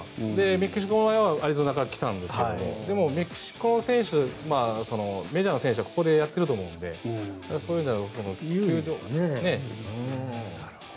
メキシコの場合はアリゾナから来たんですがでも、メキシコの選手メジャーの選手はここでやっていると思うのでそういうので。